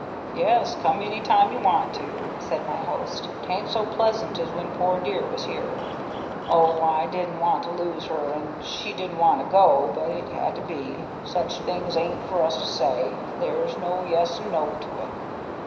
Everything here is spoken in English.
"Yes, come any time you want to," said my host, "'tain't so pleasant as when poor dear was here. Oh, I didn't want to lose her an' she didn't want to go, but it had to be. Such things ain't for us to say; there's no yes an' no to it."